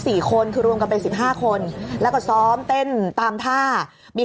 สี่คนคือรวมกันเป็นสิบห้าคนแล้วก็ซ้อมเต้นตามท่ามี